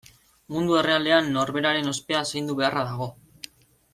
Mundu errealean norberaren ospea zaindu beharra dago.